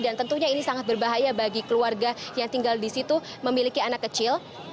dan tentunya ini sangat berbahaya bagi keluarga yang tinggal di situ memiliki anak kecil